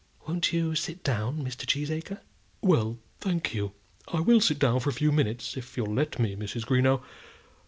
"Won't you sit down, Mr. Cheesacre?" "Well, thank you, I will sit down for a few minutes if you'll let me, Mrs. Greenow.